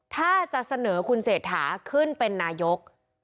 ถ้าจะเสนอคุณเศรษฐาขึ้นเป็นนายก